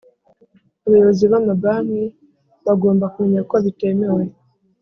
abayobozi b amabanki bagomba kumenya ko bitemewe